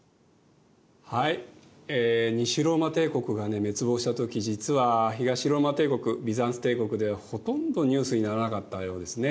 はい西ローマ帝国が滅亡した時実は東ローマ帝国ビザンツ帝国ではほとんどニュースにならなかったようですね。